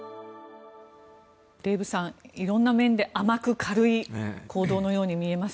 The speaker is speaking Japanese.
デーブさん、色んな面で甘く軽い行動のように見えます。